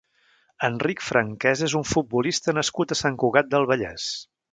Enric Franquesa és un futbolista nascut a Sant Cugat del Vallès.